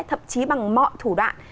thậm chí bằng mọi thủ đoạn